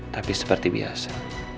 tapi seperti biasa